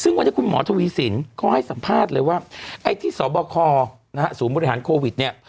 ซึ่งวันนี้คุณหมอทวีสินเขาให้สัมภาษณ์เลยว่าไอ้ที่สบคนะฮะศูนย์บริหารโควิดเนี่ย